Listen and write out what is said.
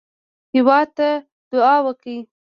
هېواد ته دعا وکړئ